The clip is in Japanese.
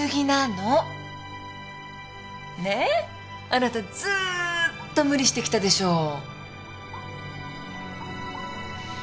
あなたずーっと無理してきたでしょう。